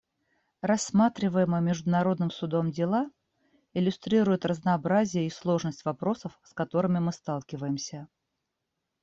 Рассматриваемые Международным Судом дела иллюстрируют разнообразие и сложность вопросов, с которыми мы сталкиваемся.